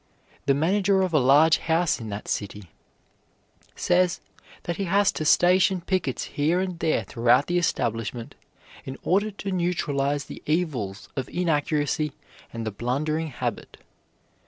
The manager of a large house in that city, says that he has to station pickets here and there throughout the establishment in order to neutralize the evils of inaccuracy and the blundering habit.